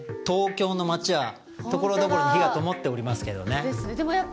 東京の街はところどころに灯がともっておりますけどねですね